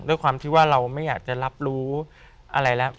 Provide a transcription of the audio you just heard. ด้วยความที่ว่าเราไม่อยากจะรับรู้อะไรแล้ว